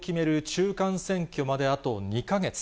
中間選挙まであと２か月。